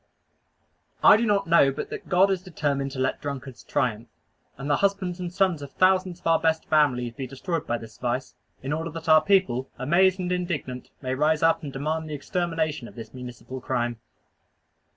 I do not know but that God is determined to let drunkards triumph; and the husbands and sons of thousands of our best families be destroyed by this vice, in order that our people, amazed and indignant, may rise up and demand the extermination of this municipal crime.